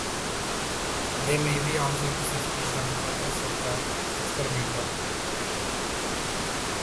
They may also be suspicious of the purpose of the experimenter.